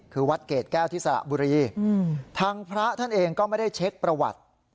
คือวัดเกรดแก้วที่สระบุรีทางพระท่านเองก็ไม่ได้เช็คประวัติ